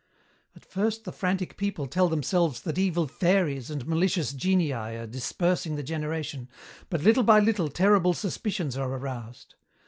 "At first the frantic people tell themselves that evil fairies and malicious genii are dispersing the generation, but little by little terrible suspicions are aroused.